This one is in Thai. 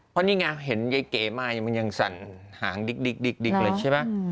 เพราะนี่ไงเห็นยายเก๋มามันยังสั่นหางดิ๊กเลยใช่ไหม